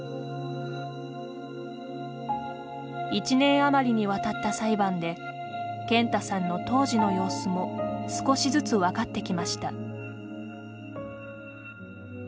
１年余りに渡った裁判で健太さんの当時の様子も少しずつ分かってきました。